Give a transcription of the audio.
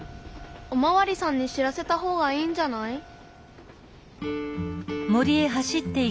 おまわりさんに知らせた方がいいんじゃない？